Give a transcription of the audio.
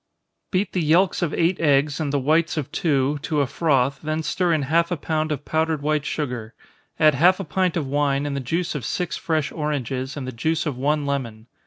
_ Beat the yelks of eight eggs, and the whites of two, to a froth, then stir in half a pound of powdered white sugar add half a pint of wine, and the juice of six fresh oranges, and the juice of one lemon.